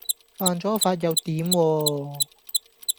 犯咗法又點喎